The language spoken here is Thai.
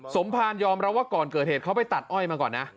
สมภารยอมรับว่าก่อนเกิดเหตุเขาไปตัดอ้อยมาก่อนนะ